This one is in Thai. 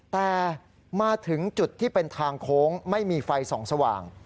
แต่มาถึงจุดที่เป็นทางโค้งไม่มีไฟส่องสว่าง